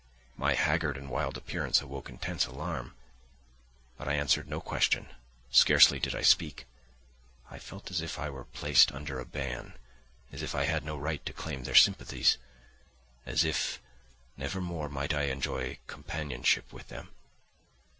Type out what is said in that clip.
My haggard and wild appearance awoke intense alarm, but I answered no question, scarcely did I speak. I felt as if I were placed under a ban—as if I had no right to claim their sympathies—as if never more might I enjoy companionship with them.